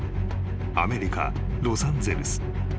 アメリカロサンゼルス］